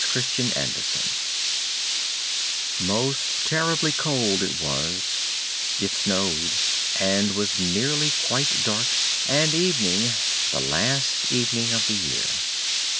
THE LITTLE MATCH GIRL Most terribly cold it was; it snowed, and was nearly quite dark, and evening the last evening of the year.